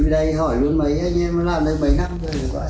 thì đây hỏi luôn mấy anh em làm được mấy năm rồi